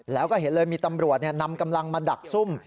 แล้วก็เห็นเลยมีตำรวจนำกำลังมาดักซุ่ม